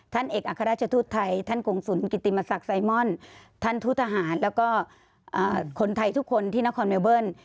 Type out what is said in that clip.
เอกอัครราชทูตไทยท่านกงศูนย์กิติมศักดิ์ไซมอนท่านทูตทหารแล้วก็คนไทยทุกคนที่นครเมลเบิ้ล